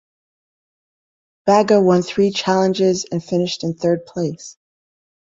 Baga won three challenges and finished in third place.